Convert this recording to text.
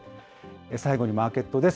最後にマーケットです。